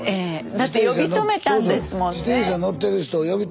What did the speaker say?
だって呼び止めたんですもんね。